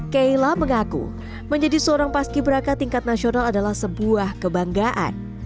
keila mengaku menjadi seorang paski beraka tingkat nasional adalah sebuah kebanggaan